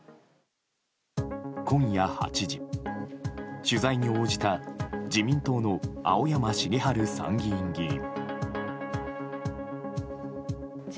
今夜８時、取材に応じた自民党の青山繁晴参議院議員。